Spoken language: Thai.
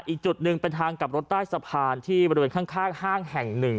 อีกจุดหนึ่งเป็นทางกลับรถใต้สะพานที่บริเวณข้างห้างแห่งหนึ่ง